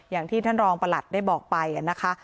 อย่างที่ท่านรองประหลัดได้บอกไปนะคะ